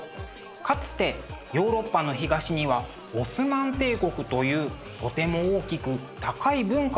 かつてヨーロッパの東にはオスマン帝国というとても大きく高い文化を持つ国がありました。